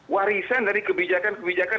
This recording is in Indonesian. warisan dari kebijakan kebijakan